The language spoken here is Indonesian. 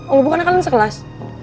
oh bukannya kalian sekelas